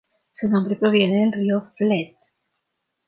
Su nombre proviene del río Fleet.